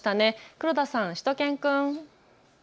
黒田さん、しゅと犬くん。